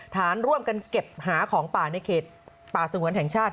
ฐานร่วมกันเก็บหาของป่าในเขตป่าสงวนแห่งชาติ